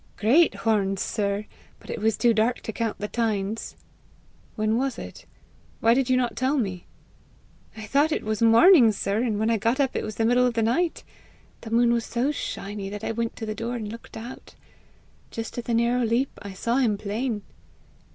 "Great horns, sir; but it was too dark to count the tines." "When was it? Why did you not tell me?" "I thought it was morning, sir, and when I got up it was the middle of the night. The moon was so shiny that I went to the door and looked out. Just at the narrow leap, I saw him plain."